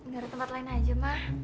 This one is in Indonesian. gak ada tempat lain aja mah